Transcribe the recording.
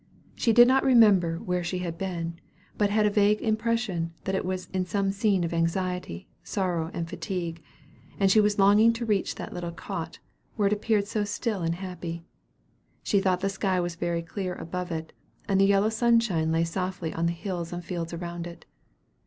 She did not remember where she had been, but had a vague impression that it was in some scene of anxiety, sorrow, and fatigue; and she was longing to reach that little cot, where it appeared so still and happy. She thought the sky was very clear above it, and the yellow sunshine lay softly on the hills and fields around it.